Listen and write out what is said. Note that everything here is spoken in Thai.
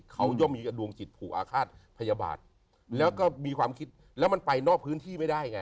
เขาย่อมมีดวงจิตผูกอาฆาตพยาบาทแล้วก็มีความคิดแล้วมันไปนอกพื้นที่ไม่ได้ไง